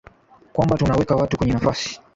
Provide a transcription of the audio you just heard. kwamba tunawaweka watu kwenye nafasi